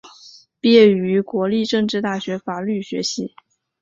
毕业于国立政治大学法律学系。